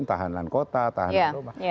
tahanan kota tahanan rumah